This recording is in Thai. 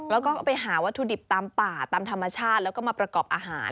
แล้วก็ไปหาวัตถุดิบตามป่าตามธรรมชาติแล้วก็มาประกอบอาหาร